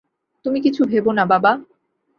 তুমি কিছু ভেবো না বাবা!